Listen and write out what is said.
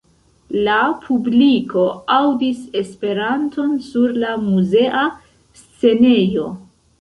La publiko aŭdis Esperanton sur la muzea scenejo.